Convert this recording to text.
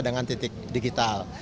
dengan titik digital